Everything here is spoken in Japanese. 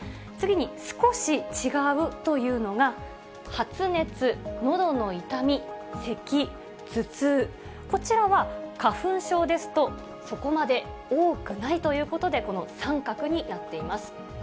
次に少し違うというのが、発熱、のどの痛み、せき、頭痛、こちらは花粉症ですと、そこまで多くないということで、三角になっています。